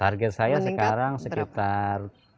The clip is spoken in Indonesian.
target saya sekarang sekitar